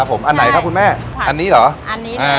อันไหนค่ะคุณแม่อันนี้เหรออ่านี้เหรอค่ะ